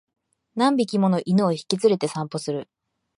何匹もの犬を引き連れて散歩する